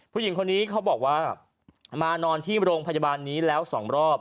ผู้หญิงคนนี้เขาบอกว่ามานอนที่โรงพยาบาลนี้แล้ว๒รอบ